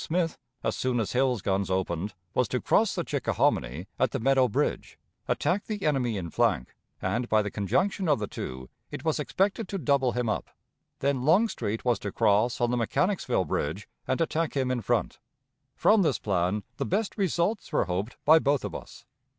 Smith, as soon as Hill's guns opened, was to cross the Chickahominy at the Meadow Bridge, attack the enemy in flank, and by the conjunction of the two it was expected to double him up. Then Longstreet was to cross on the Mechanicsville Bridge and attack him in front. From this plan the best results were hoped by both of us.